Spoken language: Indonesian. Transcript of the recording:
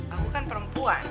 aku kan perempuan